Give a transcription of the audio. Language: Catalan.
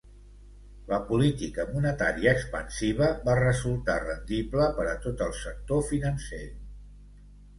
La política monetària expansiva va resultar rendible per a tot el sector financer.